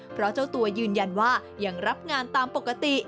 เพราะเจ้าตัวยืนยันว่ายังรับงานตามปกติ